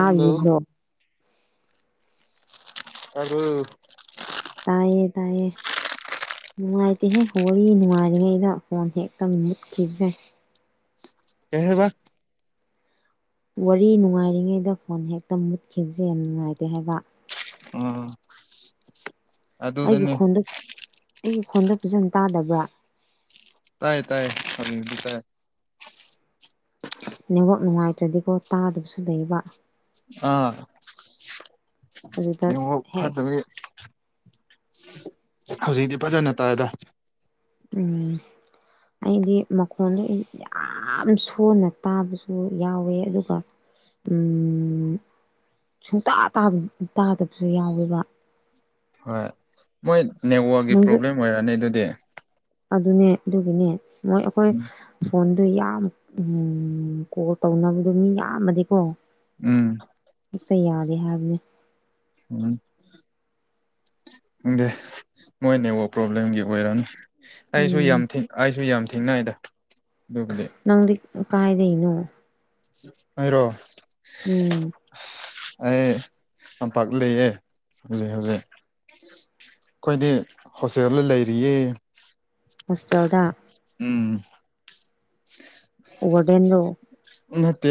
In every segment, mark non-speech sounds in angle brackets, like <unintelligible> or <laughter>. ꯑ ꯌꯦꯗꯣ ꯑꯗꯨ ꯇꯥꯏꯌꯦ ꯇꯥꯏꯌꯦ ꯅꯨꯡꯉꯥꯏꯇꯦꯍꯦ ꯋꯥꯔꯤ ꯅꯨꯡꯉꯥꯏꯔꯤꯉꯩꯗ ꯐꯣꯟ ꯍꯦꯛꯇ ꯃꯨꯠꯈꯤꯕꯁꯦ ꯀꯦꯕ ꯋꯥꯔꯤ ꯅꯨꯡꯉꯥꯏꯔꯤꯉꯩꯗ ꯐꯣꯟ ꯍꯦꯛꯇ ꯃꯨꯠꯈꯤꯕꯁꯦ ꯌꯥꯝ ꯅꯨꯡꯉꯥꯏꯇꯦ ꯍꯥꯏꯕ ꯑꯩꯒꯤ ꯑꯗꯨꯗꯅꯤ ꯈꯣꯟꯗ ꯑꯩꯒꯤ ꯈꯣꯟꯗ ꯐꯖꯅ ꯇꯥꯗꯕ꯭ꯔꯥ ꯇꯥꯏꯌꯦ ꯇꯥꯏꯌꯦ ꯁꯗꯤ ꯇꯥꯏ ꯅꯦꯛꯋꯥꯛ ꯅꯨꯡꯉꯥꯏꯇ꯭ꯔꯗꯤꯀꯣ ꯇꯥꯗꯕꯁꯨ ꯂꯩꯕ ꯑꯥ ꯑꯗꯨꯗ ꯌꯦꯉ ꯍꯦꯛ ꯐꯠꯇꯕꯤ ꯍꯧꯖꯤꯛꯇꯤ ꯐꯖꯅ ꯇꯥꯏꯗ ꯎꯝ ꯑꯩꯗꯤ ꯃꯈꯣꯟꯗ ꯌꯥꯝ ꯌꯥꯝ ꯁꯣꯟꯅ ꯇꯥꯕꯁꯨ ꯌꯥꯎꯋꯦ ꯑꯗꯨꯒ ꯁꯨꯡꯇꯥꯥꯕ ꯇꯥꯗꯕꯁꯨ ꯌꯥꯎꯋꯦꯕ ꯍꯣꯏ ꯃꯣꯏ ꯅꯦꯠꯋꯥꯛꯀꯤ ꯅꯪꯁꯨ ꯄ꯭ꯔꯣꯕ꯭ꯂꯦꯝ ꯑꯣꯏꯔꯛꯑꯅꯤ ꯑꯗꯨꯗꯤ ꯑꯗꯨꯅꯦ ꯑꯗꯨꯒꯤꯅꯦ ꯃꯣꯏ ꯑꯩꯈꯣꯏ ꯎꯝ ꯐꯣꯟ ꯑꯗꯨ ꯌꯥꯝ ꯀꯣꯜ ꯇꯧꯅꯕꯗꯣ ꯃꯤ ꯌꯥꯝꯕꯗꯤꯀꯣ ꯎꯝ꯫ ꯍꯦꯛꯇ ꯌꯥꯗꯦ ꯍꯥꯏꯕꯅꯦ꯫ ꯎꯝ꯫ ꯈꯪꯗꯦ ꯃꯣꯏ ꯅꯦꯠꯋꯥꯛ ꯄ꯭ꯔꯣꯕ꯭ꯂꯦꯝꯒꯤ ꯑꯣꯏꯔꯝꯅꯤ꯫ ꯑꯩꯁꯨ ꯎꯝ ꯌꯥꯝ ꯊꯦꯡ ꯑꯩꯁꯨ ꯌꯥꯝ ꯊꯦꯡꯅꯩꯗ꯫ ꯑꯗꯨꯕꯨꯗꯤ ꯅꯪꯗꯤ ꯀꯥꯏꯗꯩꯅꯣ꯫ ꯑꯩꯔꯣ꯫ ꯎꯝ ꯑꯩ ꯇꯝꯄꯥꯛꯇ ꯂꯩꯌꯦ ꯍꯧꯖꯤꯛ-ꯍꯧꯖꯤꯛ꯫ ꯑꯈꯣꯏꯗꯤ ꯍꯣꯁꯇꯦꯜꯗ ꯂꯩꯔꯤꯌꯦ꯫ ꯍꯣꯁꯇꯦꯜꯗꯥ꯫ ꯎꯝ ꯔꯦꯟꯔꫭ꯫ ꯅꯠꯇꯦ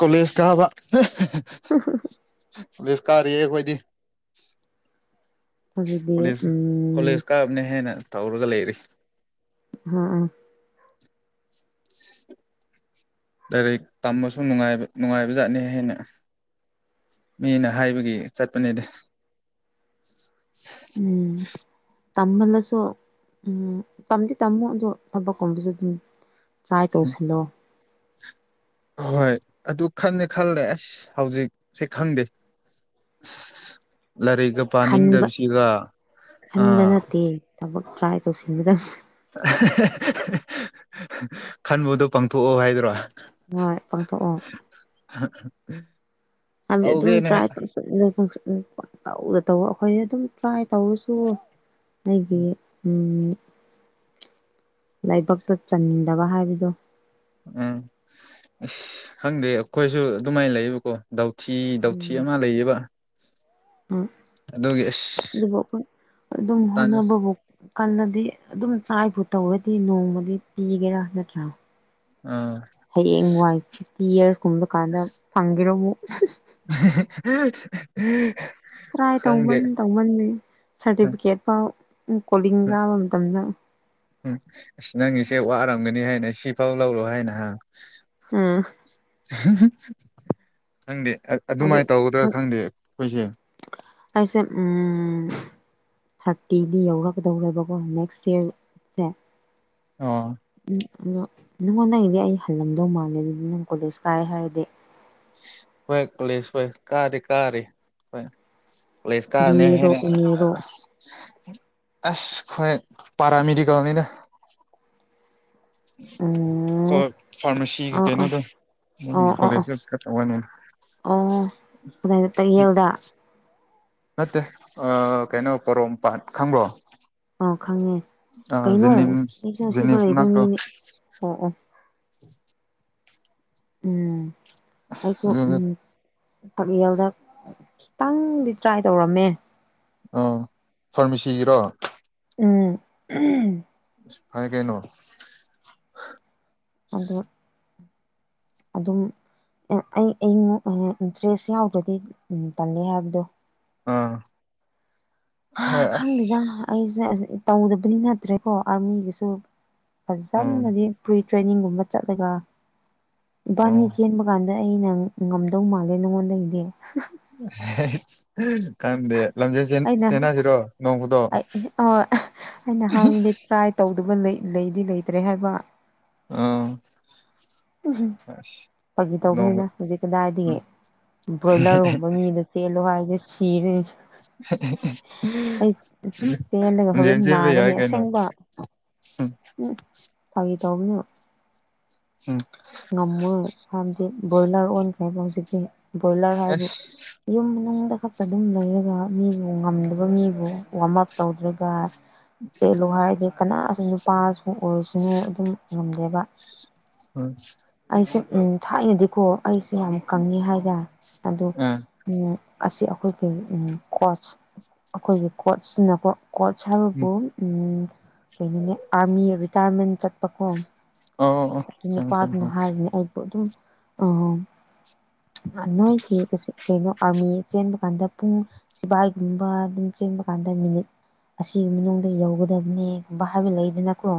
ꯀꯣꯂꯦꯖ ꯀꯥꯕ꯫ ꯀꫭꯂꯦꯁ ꯀꯥꯔꯤꯌꯦ ꯑꯈꫭꯗꯤ꯫ ꯑꯗꯨꯗꯤ ꯀꯣꯂꯦꯖ ꯎꯝ ꯀꯣꯂꯦꯖ ꯀꯥꯕꯅꯦ ꯍꯦꯟꯅ ꯇꯧꯔꯒ ꯂꯩꯔꯤ꯫ ꯍꯥ ꯑ ꯂꯥꯏꯔꯤꯛ ꯇꯝꯕꯁꯨ ꯅꯨꯡꯉꯥꯏꯕ ꯅꯨꯉꯥꯏꯕꯖꯥꯠꯅꯤ ꯍꯥꯏꯅ꯫ ꯃꯤꯅ ꯍꯥꯏꯕꯒꯤ ꯆꯠꯄꯅꯦꯗ꯫ ꯎꯝ꯫ ꯇꯝꯃꯜꯂꯁꯨ ꯎꯝ ꯇꯝꯗꯤ ꯇꯝꯃꯣ ꯑꯗꫭ ꯊꯕꯛꯀꯨꯝꯕꯁꯨ ꯑꯗꯨ ꯇ꯭ꯔꯥꯏ ꯇꯧꯁꯜꯂꯣ꯫ ꯍꯣꯏ ꯑꯗꯨ ꯈꯟꯟꯗꯤ ꯈꯜꯂꯦ ꯑꯁ ꯍꯧꯖꯤꯛꯁꯦ ꯈꯪꯗꯦ꯫ ꯑꯁ ꯂꯥꯏꯔꯤꯛꯀ ꯈꯟꯕ ꯄꯥꯅꯤꯡꯗꯕꯁꯤꯒꯥ ꯈꯟꯕ ꯑꯥ꯫ ꯅꯠꯇꯦ ꯊꯕꯛ ꯇ꯭ꯔꯥꯏ ꯇꯧꯁꯤꯟꯒꯗꯕ <unintelligible> ꯈꯟꯕꯗꯣ ꯄꯥꯡꯊꯣꯛꯑꯣ ꯍꯥꯏꯗꯨꯔꫭ꯫ ꯍꯣꯏ ꯄꯥꯡꯊꯣꯛꯑꯣ꯫ ꯎꯝ ꯍꯥꯏꯕꯗꯤ ꯑꯗꯨꯝ ꯇ꯭ꯔꯥꯏ <unintelligible> ꯇꯧ ꯑꯩꯈꯣꯏꯗꯤ ꯑꯗꯨꯝ ꯇ꯭ꯔꯥꯏ ꯇꯧꯔꯁꯨ ꯑꯩꯒꯤ ꯎꯝꯝ ꯂꯥꯏꯕꯛꯇ ꯆꯟꯗꯕ ꯍꯥꯏꯕꯗꯣ꯫ ꯎꯝ ꯑꯁ ꯈꯪꯗꯦ ꯑꯩꯈꯣꯏꯁꯨ ꯑꯗꯨꯃꯥꯏꯅ ꯂꯩꯕꯀꯣ ꯗꯥꯎ ꯊꯤ ꯗꯥꯎꯊꯤ ꯎꯝ ꯑꯃ ꯂꯩꯌꯦꯕ꯫ ꯑꯗꯨꯒꯤ ꯑꯁ ꯑꯗꯨꯕꯨ ꯑꯈꯣꯏ ꯑꯗꯨꯝ ꯇꯥꯟ ꯍꯣꯠꯅꯕꯕꯨ ꯀꯜꯂꯗꯤ ꯑꯗꯨꯝ ꯆꯥꯏꯕꯨ ꯇꯧꯔꯗꯤ ꯅꯣꯡꯃꯗꯤ ꯄꯤꯒꯦꯔꯥ ꯅꯠꯇ꯭ꯔꯥ꯫ ꯑꯥ꯫ ꯇꯤ ꯌꯦꯔꯁ ꯀꯨꯝꯕ ꯀꯥꯟꯗ ꯐꯪꯒꯦꯔꯃꯨꯛ꯫ <unintelligible> ꯇ꯭ꯔꯥꯏ ꯈꯪꯗꯦ ꯇꯧꯃꯟ ꯇꯧꯃꯟꯕꯒꯤ ꯁꯥꯔꯇꯤꯐꯤꯀꯦꯠ ꯐꯥꯎ ꯀꯣꯂꯤꯡ ꯀꯥꯕ ꯃꯇꯝꯗ꯫ ꯎꯝ ꯑꯁ ꯅꯪꯒꯤꯁꯦ ꯋꯥꯔꯝꯒꯅꯤ ꯍꯥꯏꯅ ꯁꯤꯐꯥꯎ ꯂꯧꯔꯣ ꯍꯥꯏꯅ ꯍꯥ꯫ ꯎꯝ ꯈꯪꯗꯦ꯫ ꯍꯧꯖꯤꯛ ꯑꯗꯨꯃꯥꯏꯅ ꯇꯧꯒꯗ꯭ꯔꯥ ꯈꯪꯗꯦ ꯑꯈꯣꯏꯁꯦ꯫ ꯇꯦ ꯎꯝꯝ ꯊꯥꯔꯇꯤꯗꯤ ꯌꯧꯔꯛꯀꯗꯧꯔꯦꯕꯀꯣ ꯅꯦꯛꯁ ꯏꯌꯥꯔꯁꯦ꯫ ꯑꯣ ꯑꯗꯣ ꯅꯪꯉꯣꯟꯗꯩꯗꯤ ꯑꯩ ꯍꯜꯂꯝꯗꯧ ꯃꯥꯜꯂꯦ ꯑꯗꯨꯗꯤ ꯅꯪ ꯀꯣꯂꯦꯖ ꯀꯥꯏ ꯍꯥꯏꯔꯗꯤ ꯍꯣꯏ ꯀꯣꯂꯤꯁ ꯍꯣꯏ ꯀꯥꯗꯤ ꯀꯥꯔꯤ ꯍꯣꯏ ꯀꯣꯜꯂꯦꯖ ꯕꯤ ꯀꯕꯅ ꯑꯦꯔꯣ ꯍꯦꯟꯅ ꯑꯦꯝ ꯑꯦꯔꯣ ꯑꯁ ꯈꯣꯏ ꯄꯔꯥ ꯃꯦꯗꯤꯀꯦꯜꯅꯤꯗ ꯎꯝ ꯀꯣ ꯐꯥꯔꯃꯥꯁꯤꯒꯤ ꯑꯣ ꯑꯣ ꯀꯩꯅꯣꯗꯣ <unintelligible> ꯏꯀꯣꯂꯣꯖꯦꯁ ꯈꯔ ꯇꯧꯋꯦꯅꯦ ꯑꯗꯨ ꯀꯗꯥꯏꯗ ꯇꯥꯛꯌꯦꯜꯗ ꯅꯠꯇꯦ ꯑ ꯀꯩꯅꯣ ꯄꯣꯔꯣꯝꯄꯥꯥꯠ ꯈꯪꯕ꯭ꯔꯣ ꯑꯣ ꯈꯪꯉꯦ ꯖꯦꯅꯤꯝ ꯀꯩꯅꯣ ꯖꯦꯅꯤꯝꯁ ꯑꯩꯁꯨ ꯑꯁꯤꯗ ꯖꯦꯅꯤꯝꯁ ꯂꯩꯕ ꯃꯅꯥꯛꯇꯣ ꯃꯤꯅꯦ ꯑꯣ ꯑꯣ ꯎꯝ ꯑꯩꯁꯨ ꯑꯗꯨꯗ ꯎꯝ ꯇꯥꯛꯌꯦꯜꯗ ꯈꯤꯇꯪꯗꯤ ꯇ꯭ꯔꯥꯏ ꯇꯧꯔꯝꯃꯦ ꯑꯥ ꯐꯥꯔꯃꯥꯁꯤꯒꯤꯔꯣ ꯎꯝ <unintelligible> ꯁ ꯐꯔꯦ ꯀꯩꯅꯣ ꯑꯗꯨ ꯑꯗꯨꯝ ꯑꯩ ꯑꯩꯅ ꯑ ꯏꯟꯇ꯭ꯔꯦꯁ ꯌꯥꯎꯗ꯭ꯔꯗꯤ ꯎ ꯇꯜꯂꯦ ꯍꯥꯏꯕꯗꯣ ꯑꯥ ꯍ ꯍꯣꯏ ꯑꯁ ꯈꯪꯗꯦꯗ ꯑꯩꯁꯦ ꯑꯖꯦ ꯇꯧꯗꯕꯗꯤ ꯅꯠꯇ꯭ꯔꯦꯀꯣ ꯑꯥꯔꯃꯤꯒꯤꯁꯨ ꯑꯥ ꯐꯖꯝꯅꯗꯤ ꯄ꯭ꯔꯤ ꯇ꯭ꯔꯦꯅꯤꯡꯒꯨꯝꯕ ꯆꯠꯂꯒ ꯑꯥ ꯏꯕꯥꯅꯤ ꯆꯦꯟꯕ ꯀꯥꯟꯗ ꯑꯩꯅ ꯉꯝꯗꯧ ꯃꯥꯜꯂꯦ ꯅꯪꯉꯣꯟꯗꯒꯤꯗꯤ <unintelligible> ꯈꯪꯗꯦ ꯂꯝꯖꯦꯜ ꯆꯦꯟ ꯑꯩꯅ ꯆꯦꯟꯅꯁꯤꯔꯣ ꯅꯣꯡ ꯐꯥꯗꯣꯛ ꯑꯩꯅ ꯍꯥꯏꯕꯅꯤ ꯇ꯭ꯔꯥꯏ ꯇꯧꯗꯕ ꯂꯩ ꯂꯩꯗꯤ ꯂꯩꯇ꯭ꯔꯦ ꯍꯥꯏꯕ <unintelligible> ꯑꯁ <inaudible> ꯐꯒꯤ ꯅꯣꯡ ꯇꯧꯕꯅꯤꯅ ꯍꯧꯖꯤꯛ ꯀꯗꯥꯏꯗꯒꯤ ꯎꯝ ꯕ꯭ꯔꯣꯏꯂꯔꯒꯨꯝꯕ ꯃꯤꯗ ꯆꯦꯜꯂꯨ ꯍꯥꯏ ꯅꯨꯁꯤꯔꯦ ꯑꯩ ꯄꯦꯜꯂꯒ ꯂꯝꯖꯦꯜ ꯍꯣꯔꯦꯟ ꯆꯦꯟꯕ ꯅꯥꯒꯅꯤ ꯌꯥꯏ ꯀꯩꯅꯣ ꯑꯁꯦꯡꯕ ꯎꯝ ꯐꯥꯒꯤ ꯇꯧꯕꯅꯣ ꯎꯝ ꯉꯝꯃꯣꯏ ꯍꯥꯏꯕꯗꯤ ꯕꯣꯏꯂꯔ ꯑꯣꯟꯈ꯭ꯔꯦꯕ ꯍꯧꯖꯤꯛꯇꯤ ꯕꯣꯏꯂꯔ ꯍꯥꯏꯕꯨ ꯑꯁ ꯌꯨꯝ ꯃꯅꯨꯡꯗ ꯈꯛꯇ ꯑꯗꯨꯝ ꯂꯩꯔꯒ ꯃꯤꯕꯨ ꯉꯝꯗꯕ ꯃꯤꯕꯨ ꯋꯥꯔꯝ ꯑꯞ ꯇꯧꯗ꯭ꯔꯒ ꯆꯦꯜꯂꯣ ꯍꯥꯏꯔꯗꯤ ꯀꯅꯥꯁꯨ ꯅꯨꯄꯥꯁꯨ ꯑꯣꯏꯔꯁꯅꯨ ꯑꯗꯨꯝ ꯉꯝꯗꯦꯕ <inaudible> ꯁꯤ ꯎ ꯊꯥꯏꯅꯗꯤꯀꯣ ꯑꯩꯁꯦ ꯌꯥꯝ ꯀꯪꯉꯦ ꯍꯥꯏꯗꯤ ꯑꯗꯣ ꯑ ꯎꯝ ꯑꯁꯤ ꯑꯩꯈꯣꯏꯒꯤ ꯀꯩꯅꯣ ꯎꯝ ꯀꯣꯔꯆ ꯑꯩꯈꯣꯏꯒꯤ ꯀꯣꯔꯆꯁꯤꯅꯀꯣ ꯀꯣꯆ ꯎꯝ ꯍꯥꯏꯕꯕꯨ ꯎꯝ ꯀꯩꯅꯣꯅꯦ ꯑꯥꯔꯃꯤ ꯔꯤꯇꯥꯏꯌꯔꯃꯦꯟ ꯆꯠꯄꯀꯣ ꯑꯣ ꯑꯣ ꯈꯪꯉꯤ ꯈꯪꯉꯤ ꯅꯍꯥꯏꯔꯤꯅꯦ ꯑꯩꯕꯨ ꯑꯗꯨꯝ ꯑ ꯅꯣꯏꯒꯤ ꯑꯁꯤ ꯀꯩꯅꯣ ꯑꯥꯔꯃꯤ ꯆꯦꯟꯕ ꯀꯥꯟꯗ ꯄꯨꯡ ꯁꯤꯕꯥꯏꯒꯨꯝꯕ ꯑꯗꯨꯝ ꯆꯦꯟꯕ ꯀꯥꯟꯗ ꯃꯤꯅꯤꯠ ꯑꯁꯤꯒꯤ ꯃꯅꯨꯡꯗ ꯌꯧꯒꯗꯕꯅꯦꯒꯨꯝꯕ ꯍꯥꯏꯕ ꯂꯩꯗꯅꯀꯣ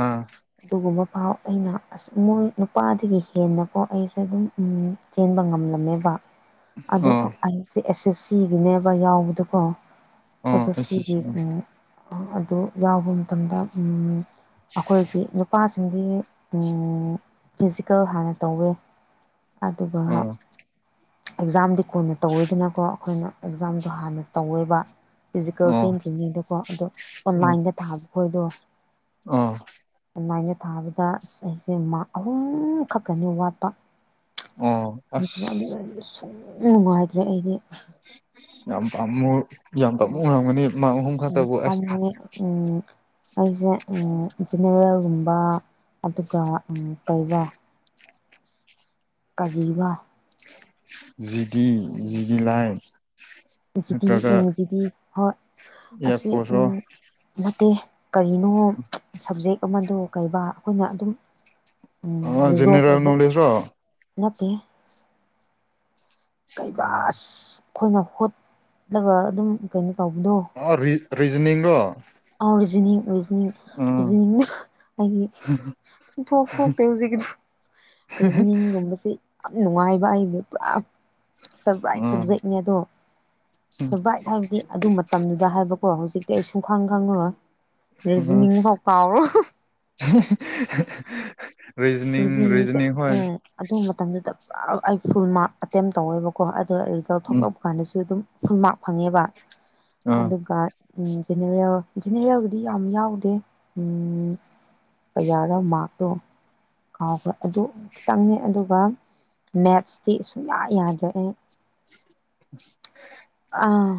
ꯑꯥ ꯑꯗꯨꯒꯨꯝꯕ ꯄꯥꯎ ꯑꯩꯅ ꯑꯁ__ ꯃꯣꯏ ꯅꯨꯄꯥꯗꯒꯤ ꯍꯦꯟꯅ ꯀꯣ ꯑꯩꯁꯦ ꯑꯗꯨꯝ ꯎꯝ ꯆꯦꯟꯕ ꯉꯝꯂꯝꯃꯦꯕ ꯑ ꯑꯣ ꯑꯩꯁꯦ ꯑꯦꯁ ꯑꯦꯁ ꯁꯤꯒꯤꯅꯦꯕ ꯌꯥꯎꯕꯗꯀꯣ ꯑ ꯑꯣ ꯑꯁ ꯁꯤꯒꯤ ꯑꯣ ꯎ ꯑꯗꯨ ꯌꯥꯎ ꯃꯇꯝꯗ ꯑꯩꯈꯣꯏꯒꯤ ꯅꯨꯄꯥꯁꯤꯡꯒꯤ ꯐꯤꯖꯤꯀꯦꯜ ꯍꯥꯟꯅ ꯇꯧꯋꯦ ꯑꯗꯨꯒ ꯑꯦꯛꯖꯥꯝꯗꯤ ꯀꯣꯟꯅ ꯇꯧꯋꯣꯏꯗꯅꯀꯣ ꯑꯩꯈꯣꯏꯅ ꯑꯦꯛꯖꯥꯝꯗꯣ ꯍꯥꯟꯅ ꯇꯧꯋꯦꯕ꯫ ꯐꯤꯖꯤꯀꯦꯜ ꯑꯣ ꯑꯣ ꯆꯦꯟꯗ꯭ꯔꯤꯉꯩꯗꯀꯣ ꯑꯗꯣ ꯑꯣꯟꯂꯥꯏꯟꯗ ꯊꯥꯕ ꯈꯣꯏꯗꯣ ꯑꯣ ꯑꯣꯟꯂꯥꯏꯒ ꯊꯥꯕꯗ ꯑꯩꯁꯦ ꯑꯍꯨꯝ ꯈꯛꯛꯇꯅꯤ ꯋꯥꯠꯄ꯫ ꯑꯣ ꯑꯁ ꯁꯨꯝ ꯅꯨꯡꯉꯥꯏꯇ꯭ꯔꯦ ꯑꯩꯗꯤ ꯌꯥꯝ ꯄꯥꯝꯃꯨ ꯌꯥꯝ ꯇ ꯎꯔꯝꯒꯅꯤ ꯃꯥꯡ ꯑꯍꯨꯝ ꯈꯛꯇꯕꯨ ꯑꯁ ꯄꯥꯝꯃꯨꯌꯦ ꯎꯝ ꯑꯩꯁꯦ ꯖꯦꯅꯦꯔꯦꯜꯒꯨꯝꯕ ꯑꯗꯨꯒ ꯀꯩꯕ ꯀꯔꯤꯕ ꯖꯤꯗꯤ ꯖꯤꯗꯤ ꯂꯥꯏꯠ ꯖꯤꯗꯤ ꯅꯠꯇ꯭ꯔꯒ ꯎꯝ ꯖꯤꯗꯤ ꯍꯣꯏ ꯌꯥ ꯑꯁꯤ ꯀꯣꯁꯣ ꯎꯝ ꯅꯠꯇꯦ ꯀꯔꯤꯅꯣ ꯁꯕꯖꯦꯛ ꯑꯃꯗ ꯀꯩꯕꯥ ꯑꯩꯈꯣꯏꯅ ꯑꯗꯨꯝ ꯎꯝ ꯑ ꯖꯦꯅꯦꯔꯦꯜ ꯔꯤꯖꯣꯗ ꯅꯣꯂꯦꯖꯔꯣ ꯅꯠꯇ ꯀꯩꯕ ꯀꯔꯝꯕ ꯑꯩꯈꯣꯏꯅ ꯍꯣꯠꯂꯒ ꯑꯗꯨꯝ ꯀꯩꯅꯣ ꯇꯧꯕꯗꯣ ꯑꯔꯤꯖꯅꯤꯡꯒꯣ ꯑꯣꯔꯤꯖ ꯍꯧꯖꯤꯅ ꯑꯩꯗꯤ ꯁꯨꯡꯊꯣꯛ ꯊꯣꯛꯄꯦ ꯍꯧꯖꯤꯛ ꯔꯤꯖꯅꯤꯡꯒꯨꯝꯕꯁꯦ ꯌꯥꯝ ꯅꯨꯡꯉꯥꯏꯕ ꯑꯩꯁꯦ ꯄꯨꯔꯥ ꯐꯦꯚꯥꯏꯠ ꯎꯝ ꯁꯕꯖꯦꯛꯅꯦ ꯑꯗꯣ ꯐꯦꯚꯥꯏꯠ ꯍꯥꯏꯕꯗꯤ ꯑꯗꯨ ꯃꯇꯝꯗꯨꯗ ꯍꯥꯏꯕꯀꯣ ꯍꯧꯖꯤꯛꯇꯤ ꯑꯩ ꯁꯨꯡ ꯈꯪ ꯈꯪꯉꯨꯔꯣꯏ ꯑ ꯂꯖꯅꯤꯡꯁꯦ ꯎꯝ ꯑꯗꯨ ꯃꯇꯝꯗꯨꯗ ꯑꯩ ꯐꯨꯜ ꯃꯥꯔꯛ ꯑꯦꯇꯦꯝ ꯇꯧꯋꯦꯕꯀꯣ ꯑꯗꯣ ꯑꯩ ꯔꯤꯖꯜ ꯎꯝ ꯊꯣꯛꯂꯛꯄ ꯀꯥꯟꯗꯁꯨ ꯑꯗꯨꯝ ꯐꯨꯜ ꯃꯥꯔꯛ ꯐꯪꯉꯦꯕ ꯑꯥ ꯑꯗꯨꯒ ꯎꯝ ꯔꯦꯜ ꯖꯦꯅꯦꯔꯦꯜꯗꯤ ꯌꯥꯝ ꯌꯥꯎꯗꯦ ꯎꯝ ꯀꯌꯥꯔꯣ ꯃꯥꯔꯛꯇꯣ ꯀꯥꯎꯈ꯭ꯔ ꯑꯗꯨ ꯈꯤꯇꯪꯅꯦ ꯑꯗꯨꯒ ꯃꯦꯠꯁꯇꯤ ꯁꯨꯡꯌꯥ ꯌꯥꯗ꯭ꯔꯑꯦ <inaudible> ꯑꯥ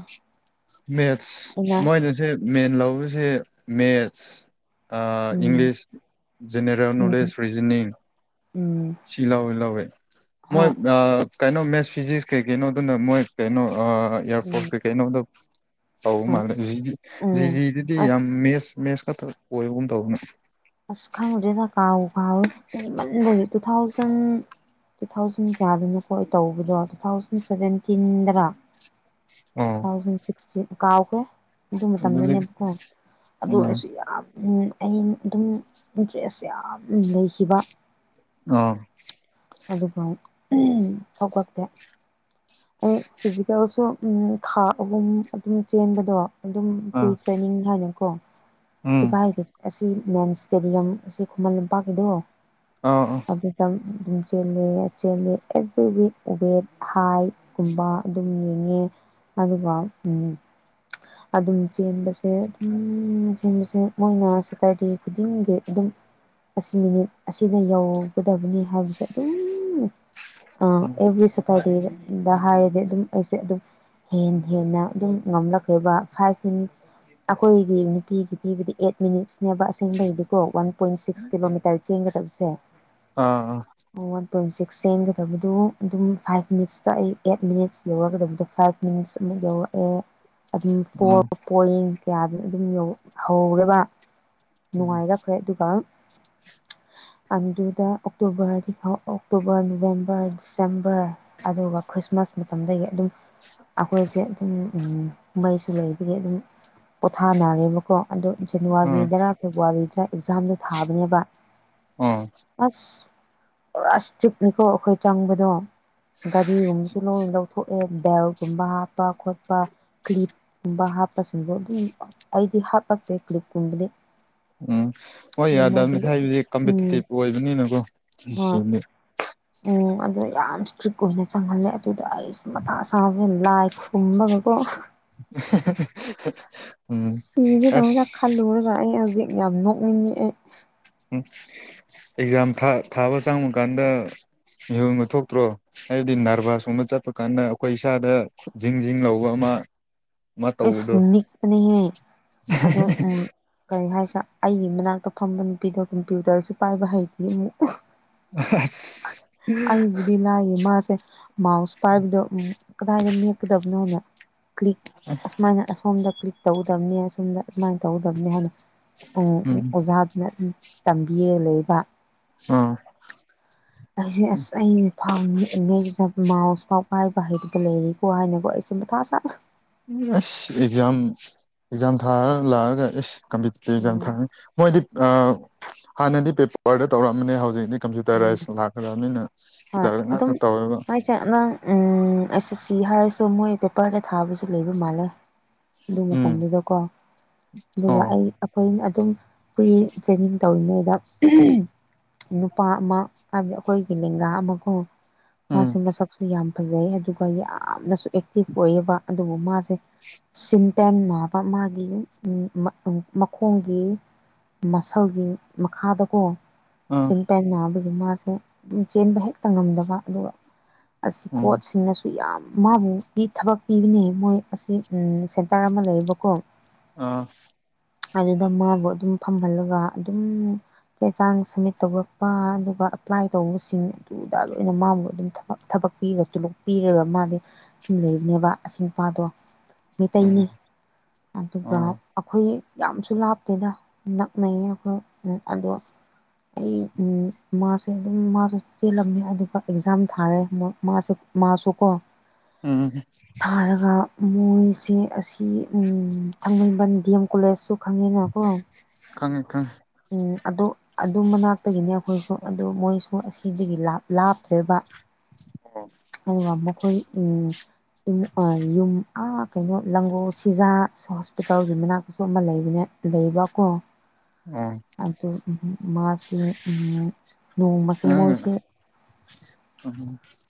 ꯃꯦꯠꯁ ꯑꯩꯅ ꯃꯣꯏꯅꯁꯦ ꯃꯦꯟ ꯂꯧꯕꯁꯦ ꯃꯦꯠꯁ ꯎꯝ ꯏꯪꯂꯤꯁ ꯖꯦꯅꯔꯦꯜ ꯎꯝ ꯅꯣꯂꯦꯖ ꯔꯤꯖꯅꯤꯡ ꯎꯝ ꯁꯤ ꯂꯧꯋꯤ ꯂꯧꯏꯤ ꯃꯣꯏ ꯍꯣꯏ ꯀꯩꯅꯣ ꯃꯦꯠꯁ ꯐꯤꯖꯤꯛꯁ ꯀꯩ ꯀꯩꯅꯣ ꯑꯗꯨꯅ ꯃꯣꯏ ꯀꯩꯅꯣ ꯎꯝ ꯑꯦꯌꯥꯔꯄꯣꯔꯠ ꯀꯩꯀꯩꯩꯅꯣꯗ ꯇꯧ ꯍꯣꯏ ꯃꯥꯜꯂꯦ ꯖꯤꯗꯤ ꯎꯝ ꯖꯤꯗꯤꯗꯨꯗꯤ ꯑꯁ ꯌꯥꯝ ꯃꯦꯠꯁ ꯃꯦꯠꯁ ꯈꯛꯇ ꯑꯣꯏꯕꯒꯨꯝ ꯇꯧꯕꯅꯦ ꯐꯋꯦ ꯏꯃꯟꯕ ꯇꯨ ꯊꯥꯎꯖꯟ ꯇꯨ ꯊꯥꯎꯖꯟ ꯀꯌꯥꯗꯅꯣꯀꯣ ꯑꯩ ꯇꯧꯕꯗꯣ ꯇꯨ ꯊꯥꯎꯖꯟ ꯁꯚꯦꯟꯇꯤꯟꯗꯔ ꯇꯨ ꯑꯣ ꯊꯥꯎꯖꯟ ꯁꯤꯛꯁꯇꯤꯟ ꯀꯥꯎꯈ꯭ꯔꯦ ꯑꯗꯨ ꯑꯗꯨꯗꯤ ꯃꯇꯝꯗꯅꯦꯕ ꯀ ꯑꯗꯣ ꯎꯝ ꯑꯩꯁꯨ ꯌꯥꯝ ꯑ ꯑꯗꯨꯝ ꯏꯟꯇꯔꯦꯁ ꯌꯥꯝ ꯂꯩꯈꯤꯕ ꯑꯥ ꯑꯗꯨꯒ ꯊꯧꯀꯄꯦ ꯑꯩ ꯐꯤꯖꯤꯀꯦꯜꯁꯨ ꯈꯥ ꯑꯍꯨꯝ ꯑꯗꯨꯝ ꯆꯦꯟꯕꯗꯣ ꯑꯗꯨꯝ ꯄ꯭ꯔꯤ ꯑꯥ ꯇ꯭ꯔꯦꯅꯤꯡ ꯍꯥꯏꯅꯀꯣ ꯎꯝ ꯁꯤꯚꯥꯏꯗꯤ ꯑꯁꯤ ꯃꯦꯟ ꯏꯁꯇꯦꯗꯤꯌꯝ ꯑꯁꯤ ꯈꯨꯃꯟ ꯂꯝꯄꯥꯛꯀꯤꯗꯣ ꯑꯥ ꯑꯗꯨꯗ ꯑꯗꯨꯝ ꯆꯦꯜꯂꯤ ꯆꯦꯜꯂꯤ ꯑꯦꯕ꯭ꯔꯤ ꯋꯤꯛ ꯋꯦꯠ ꯍꯥꯏ ꯨꯝꯕ ꯑꯗꯨꯝ ꯌꯦꯡꯉꯦ ꯑꯗꯨꯒ ꯑꯗꯨꯝ ꯆꯦꯟꯕꯁꯦ ꯑꯗꯨꯝ ꯆꯦꯟꯕꯁꯦ ꯃꯣꯏꯅ ꯁꯦꯇꯔꯗꯦ ꯈꯨꯗꯤꯡꯒꯤ ꯑꯗꯨꯝ ꯑꯁꯤ ꯃꯤꯅꯤꯠ ꯑꯁꯤꯗ ꯌꯧꯒꯗꯕꯅꯤ ꯍꯥꯏꯕꯁꯦ ꯑꯗꯨꯝ ꯑ ꯑꯦꯕ꯭ꯔꯤ ꯁꯇꯔꯗꯦꯗ ꯍꯥꯏꯔꯗꯤ ꯑꯗꯨꯝ ꯑꯩꯁꯦ ꯑꯗꯨꯝ ꯍꯦ ꯍꯦꯟꯅ ꯑꯗꯨꯝ ꯉꯝꯂꯛꯕ ꯐꯥꯏꯚ ꯃꯤ ꯑꯩꯈꯣꯏꯒꯤ ꯅꯨꯄꯤꯒꯤ ꯄꯤꯕꯨꯗꯤ ꯑꯩꯠ ꯃꯤꯅꯤꯠꯁꯅꯦꯕ ꯑꯁꯦꯡꯕꯒꯤꯗꯤꯀꯣ ꯋꯥꯟ ꯄꯣꯏꯟ ꯁꯤꯛꯁ ꯀꯤꯂꯣꯃꯤꯇꯔ ꯆꯦꯡꯒ ꯀꯁꯦ ꯑꯥ ꯄꯣꯏꯟ ꯁꯤꯛꯁ ꯆꯦꯟꯒꯗꯕꯗꯨꯣ ꯑꯗꯨꯝ ꯐꯥꯏꯚ ꯃꯤꯅꯤꯠꯁ ꯆꯥꯛꯏ ꯑꯩꯠ ꯃꯤꯅꯤꯠꯁ ꯌꯧꯔꯒꯗꯕꯗꯣ ꯐꯥꯏꯚ ꯃꯤꯅꯤꯠꯁ ꯑꯃꯨꯛ ꯌꯧꯔꯛꯑꯦ ꯑꯗꯨꯝ ꯑꯥ ꯄꯣꯣꯔꯡ ꯀꯌꯥꯗꯨꯅ ꯑꯗꯨꯝ ꯍꯧꯔꯦꯕ ꯎꯝ ꯅꯨꯡꯉꯥꯏꯖꯈ꯭ꯔꯦ ꯑꯗꯨꯒ <unintelligible> ꯑꯗꯨꯗꯨꯗ ꯑꯣꯛꯇꯣꯕꯔ ꯑꯣꯛꯇꯣꯕꯔ ꯅꯕꯦꯝꯕꯔ ꯗꯤꯁꯦꯝꯕꯔ ꯑꯗꯨꯒ ꯈ꯭ꯔꯤꯁꯃꯥꯁ ꯃꯇꯝꯗꯒꯤ ꯑꯗꯨꯝ ꯑꯩꯈꯣꯏꯁꯦ ꯑꯗꯨꯝ ꯃꯩ ꯁꯨ ꯂꯩꯕꯒꯤ ꯑꯗꯨꯝ ꯄꯣꯊꯥꯅꯔꯦꯕꯀꯣ ꯑꯗꯨꯣ ꯎꯝ ꯑꯥ ꯖꯅꯋꯥꯔꯤꯗꯔꯥ ꯐꯦꯕꯋꯥꯔꯤꯗ ꯑꯦꯛꯖꯥꯝꯗꯣ ꯊꯥꯕꯅꯦꯕ ꯎꯝ ꯑꯁ ꯄꯨꯔꯥ ꯏꯁꯇ꯭ꯔꯤꯞꯅꯤꯀꯣ ꯑꯩꯈꯣꯏ ꯆꯪꯕꯗꯣ ꯒꯥꯔꯤꯒꯨꯝꯕꯁꯨ ꯂꯣꯏ ꯂꯧꯊꯣꯛ ꯕꯦꯜꯒꯨꯝꯕ ꯍꯥꯞꯄ ꯈꯣꯠꯄ ꯀ꯭ꯂꯤꯞ ꯀꯨꯝꯕ ꯍꯥꯞꯄꯁꯤꯡꯕꯣ ꯑꯗꯨ ꯑꯩꯗꯤ ꯍꯥꯄꯛꯇꯦ ꯀ꯭ꯂꯤꯞꯀꯨꯝꯕꯗꯤ ꯎꯝ ꯍꯣꯏ ꯑꯗꯨ ꯃꯣꯏꯗꯤ ꯌꯥꯗꯕꯅꯤ ꯍꯥꯏꯕꯗꯤ ꯎꯝ ꯀꯝꯄꯤꯇꯤꯇꯤꯞ ꯑꯣꯏꯕꯅꯤꯅꯀꯣ ꯁꯤꯗꯤ <unintelligible> ꯑꯗꯨꯗꯣ ꯌꯥꯝ ꯏꯁꯇ꯭ꯔꯤꯛ ꯑꯣꯏꯅ ꯆꯪꯍꯜꯂꯦ ꯑꯗꯨꯗ ꯑꯩꯁ ꯃꯇꯥ ꯁꯥꯡꯕ ꯍꯦ ꯂꯥꯏ ꯈꯨꯨꯝꯕꯒꯀꯣ <unintelligible> ꯁꯤꯒꯦꯗꯧꯅ ꯑꯁ ꯈꯜꯂꯨꯔꯒ ꯑꯩ ꯍꯧꯖꯤꯛ ꯌꯥꯝ ꯅꯣꯛꯅꯤꯡꯉꯤ ꯑꯩ ꯎꯝ ꯑꯦꯛꯖꯥꯝ ꯊꯥꯕ ꯆꯪꯕ ꯀꯥꯟꯗ ꯃꯤꯍꯣꯟꯕ ꯊꯣꯛꯇ꯭ꯔꯣ ꯍꯥꯏꯕꯗꯤ ꯔꯚꯁꯀꯨꯝꯕ ꯆꯠꯄ ꯀꯥꯟꯗ ꯑꯩꯈꯣꯏ ꯏꯁꯥꯗ ꯖꯤꯡ ꯖꯤꯡ ꯂꯧꯕ ꯑꯃ ꯍꯣꯏ ꯏꯁꯁ ꯅꯤꯛꯄꯅꯦꯍꯦ ꯑꯗꯣ ꯎꯝ ꯀꯔꯤ ꯍꯥꯏꯁꯤ ꯑꯩꯒꯤ ꯃꯅꯥꯛꯇ ꯐꯝꯕ ꯅꯨꯄꯤꯗꯣ ꯀꯝꯄ꯭ꯌꯨꯇꯔꯁꯨ ꯄꯥꯏꯕ ꯍꯩꯇꯗꯤ ꯑꯃꯨꯛ ꯑꯁ ꯑꯩꯕꯨꯗꯤ ꯂꯥꯏ ꯏꯃꯁꯦ ꯃꯥꯁ ꯄꯥꯏꯕꯨꯗ ꯎ ꯀꯗꯥꯏꯗ ꯃꯦꯛꯀꯗꯕꯅꯣꯅ ꯀ꯭ꯛ ꯑꯁꯨꯃꯥꯏꯅ ꯑꯁꯣꯝꯗ ꯀ꯭ꯂꯤꯛ ꯇꯧꯒꯗꯕꯅꯤ ꯑꯁꯣꯝꯗ ꯑꯗꯨꯃꯥꯏꯅ ꯇꯧꯒꯗꯕꯅꯤ ꯍꯥꯏꯅ ꯎꯝ ꯑꯣꯖꯥꯗꯨꯅ ꯇꯝꯕꯤꯔ ꯂꯩꯕ ꯑꯥ ꯑꯩꯁꯦ ꯑꯁ ꯑꯩꯁ ꯐꯥꯎ ꯌꯦꯛꯂꯤꯉꯩꯁꯤꯗ ꯃꯥꯁ ꯄꯥꯎ ꯀꯥꯏ ꯃꯍ ꯍꯥꯏꯔꯕ ꯂꯩꯔꯤ ꯀꯋꯥ ꯍꯥꯏꯅꯀꯣ ꯏꯁꯤ ꯀ ꯊꯥ ꯆꯥ ꯑꯁ ꯑꯦꯛꯖꯥꯝ ꯑꯦꯛꯖꯥꯝ ꯊꯥꯔ ꯂꯥꯛꯑꯒ ꯑꯦꯁ ꯀꯝꯄꯤꯇꯤꯇꯤꯞ ꯌꯥꯝ ꯎꯝ ꯊꯥꯡꯉꯦ ꯃꯣꯏꯗꯤ ꯍꯥꯟꯅꯗꯤ ꯄꯦꯄꯔꯗ ꯇꯧꯔꯛꯑꯝꯕꯅꯦ ꯍꯧꯖꯤꯛꯅꯤ ꯎꯝ ꯀꯝꯄ꯭ꯌꯨꯇꯔꯥꯏꯁ ꯂꯥꯛꯈ꯭ꯔꯕ ꯃꯤꯅ ꯍꯣꯏ ꯇꯔꯒ ꯑꯗꯨꯝ ꯉꯥꯛꯇ ꯇꯧꯋꯦꯕ ꯆꯁꯤ ꯍꯥꯏꯔꯁꯨ ꯃꯣꯏ ꯄꯦꯄꯔꯗ ꯊꯥꯕꯁꯨ ꯂꯩꯕ ꯃꯥꯜꯂꯦ ꯑꯗꯨ ꯎꯝ ꯃꯇꯝꯗꯨꯗꯀꯣ ꯑꯗꯨꯒ ꯑꯣ ꯑꯩ ꯑꯩꯈꯣꯏ ꯑꯗꯨꯝ ꯑꯩꯈꯏ ꯇ꯭ꯔꯦꯅꯤꯡ ꯇꯧꯔꯤꯉꯩꯗ ꯅꯨꯄꯥ ꯑꯃ ꯍꯥꯏꯕꯗꯤ ꯑꯩꯈꯣꯏꯒꯤ ꯂꯦꯡꯒꯥ ꯑꯃꯈꯣ ꯎꯝ ꯃꯥꯁꯤ ꯃꯁꯛꯁꯨ ꯌꯥꯝ ꯐꯖꯩ ꯑꯗꯨꯒ ꯌꯥꯝꯅꯁꯨ ꯑꯦꯛꯇꯤꯚ ꯑꯣꯏꯌꯦꯕ ꯑꯗꯨꯕꯨ ꯃꯥꯁꯦ ꯁꯤꯟꯇꯦꯟ ꯅꯥꯕ ꯃꯥꯒꯤ ꯃꯈꯣꯡꯒꯤ ꯃꯁꯜꯒꯤ ꯃꯈꯥꯗꯀꯣ ꯑꯥ ꯑꯗꯨꯒꯤ ꯃꯥꯁꯦ ꯆꯦꯟꯕ ꯍꯦꯛꯇ ꯉꯝꯗꯕ ꯑꯗꯨꯒ ꯑꯁꯤ ꯎꯝ ꯀꯣꯠꯁꯤꯡꯅꯁꯨ ꯌꯥꯝ ꯃꯥꯕꯨ ꯊꯕꯛ ꯄꯤꯕꯅꯦ ꯃꯣꯏ ꯑꯁꯤ ꯁꯦꯟꯇꯔ ꯑꯃ ꯂꯩꯌꯦꯕꯀꯣ ꯑꯥ ꯑꯗꯨꯗ ꯃꯥꯕꯨ ꯑꯗꯨꯝ ꯐꯝꯍꯜꯂꯒ ꯑꯗꯨꯝ ꯆꯦ ꯆꯥꯡ ꯁꯃꯤꯠ ꯇꯧꯕ ꯑꯗꯨꯒ ꯑꯦꯄ꯭ꯂꯥꯏ ꯇꯧꯕꯁꯤꯡ ꯑꯗꯨꯗ ꯂꯣꯏꯅ ꯃꯥꯕꯨ ꯑꯗꯨꯝꯕ ꯄꯤꯔꯒ ꯂꯩꯕꯅꯦꯕ ꯑ ꯅꯨꯄꯥꯗꯣ ꯃꯤꯇꯩꯩꯅꯤ ꯎꯝ ꯑꯗꯨꯒ ꯎꯝ ꯑꯩꯈꯣꯏ ꯌꯥꯝꯁꯨ ꯂꯥꯞꯇꯦꯗ ꯅꯛꯅꯩꯌꯦ ꯑꯩꯈꯣꯏ ꯑꯗꯣ ꯑꯩ ꯎ ꯃꯥꯁꯦ ꯑꯗꯨꯝ ꯃꯥꯁꯨ ꯆꯦꯜꯂꯝꯃꯦ ꯑꯗꯨꯒ ꯑꯦꯛꯖꯥꯝ ꯊꯥꯔꯦ ꯃꯥꯁꯦ ꯃꯥꯁꯨꯀꯣ ꯎꯝ ꯃꯣꯏꯁꯦ ꯑꯁꯤ ꯊꯥꯡꯃꯩꯕꯟ ꯗꯤ ꯑꯦꯝ ꯀꯣꯂꯦꯖꯁꯨ ꯈꯪꯉꯤꯅꯀꯣ ꯈꯪꯉꯦ ꯈꯪꯉꯦ ꯎꯝ ꯑꯗꯨ ꯑꯗꯨ ꯃꯅꯥꯛꯇꯒꯤꯅꯤ ꯑꯩꯈꯣꯏꯁꯨ ꯑꯗꯨ ꯃꯣꯏꯁꯨ ꯑꯁꯤꯗꯒꯤ ꯂꯥꯞꯇ꯭ꯔꯦꯕ ꯑ ꯋꯥꯃꯈꯣꯏ ꯎꯝ ꯌꯨꯝ ꯑꯥ ꯀꯩꯅꯣ ꯂꯪꯒꯣꯜ ꯁꯤꯖꯥ ꯍꯣꯁꯄꯤꯇꯥꯜꯒꯤ ꯃꯅꯥꯛꯇꯁꯨ ꯑꯃ ꯂꯩꯕꯅꯦ ꯂꯩꯕꯀꯣ ꯎꯝ ꯑꯗꯨꯇꯣ ꯃꯥꯁꯦ ꯎꯝ ꯅꯣꯡꯃꯁꯦ ꯅꯪꯅ ꯃꯣꯏꯁꯦ ꯎꯝ